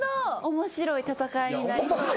面白い戦いになりそうですね。